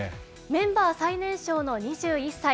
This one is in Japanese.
メンバー最年少の２１歳。